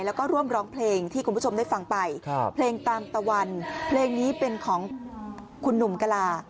แล้วก็ร่วมร้องเพลงที่คุณผู้ชมได้ฟังไปเพลงตามตะวันเพลงนี้เป็นของคุณหนุ่มกลา